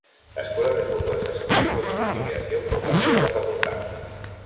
La escuela refutó esas acusaciones de intimidación por parte de la facultad.